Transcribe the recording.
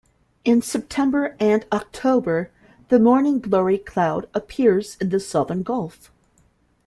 In September and October the Morning Glory cloud appears in the Southern Gulf.